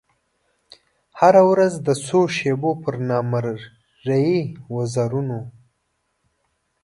هره ورځ د څو شېبو پر نامریي وزرونو